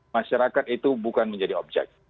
masyarakat itu bukan menjadi objek